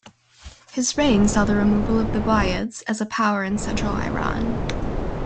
His reign saw the removal of the Buyids as a power in central Iran.